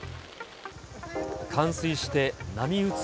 冠水して波打つ